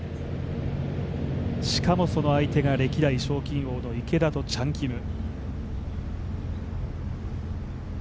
しかも、その相手は歴代賞金王の池田とチャン・キム。